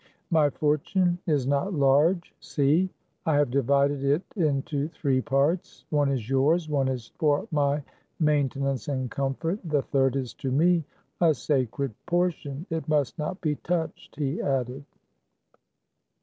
My fortune is not large. See ! I have divided it into three parts : one is yours ; one is for my maintenance and comfort ; the third is to me a sacred portion ; it must not be touched, " he added.